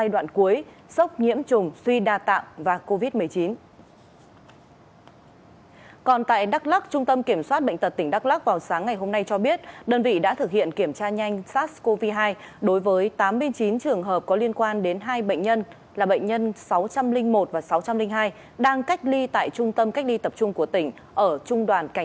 trong chiều qua chiều ngày ba tháng tám trung tâm kiểm soát bệnh tật kiểm tra test nhanh đối với các trường hợp có liên quan đến hai ca bệnh mới được đưa vào trung tâm cách ly tập trung trong ngày